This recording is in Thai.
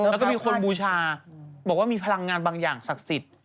แล้วก็มีคนบูชาบอกว่ามีพลังงานบางอย่างศักดิ์สิทธิ์